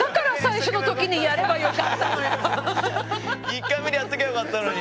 １回目でやっときゃよかったのに。